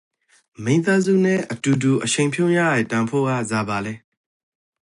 မိသားစုနန့်အတူတူအချိန်ဖြုန်းရယေတန်ဖိုးက ဇာပါလဲ?